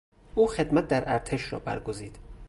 او خدمت در ارتش را برگزید.